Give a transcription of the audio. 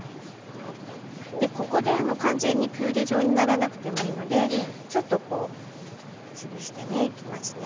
ここで完全にピューレ状にならなくてもいいのでちょっとこう潰してねいきますね。